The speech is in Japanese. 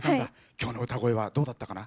きょうの歌い声はどうだったかな？